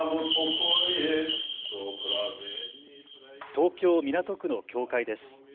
東京港区の教会です。